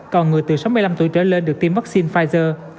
còn người từ sáu mươi năm tuổi trở lên được tiêm vaccine pfizer